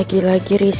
singketelah biru kita